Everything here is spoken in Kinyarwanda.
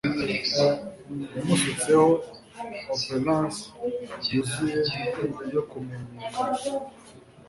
Yamusutseho opulence yuzuye yo kumenyekana